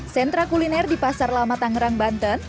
sentra kuliner di pasar lama tangerang banten